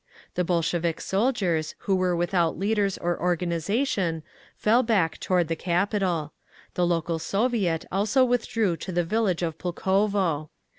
The Bolshevik soldiers, who were without leaders or organisation, fell back toward the capital. The local Soviet also withdrew to the village of Pulkovo.